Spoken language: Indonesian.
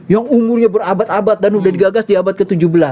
yang umurnya berabad abad dan udah digagas di abad ke tujuh belas